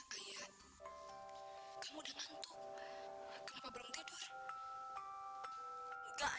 takut ketahuan ya